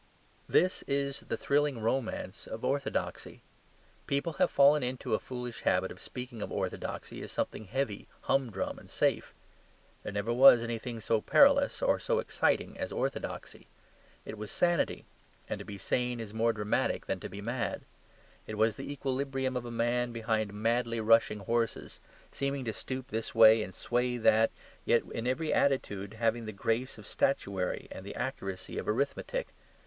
This is the thrilling romance of Orthodoxy. People have fallen into a foolish habit of speaking of orthodoxy as something heavy, humdrum, and safe. There never was anything so perilous or so exciting as orthodoxy. It was sanity: and to be sane is more dramatic than to be mad. It was the equilibrium of a man behind madly rushing horses, seeming to stoop this way and to sway that, yet in every attitude having the grace of statuary and the accuracy of arithmetic.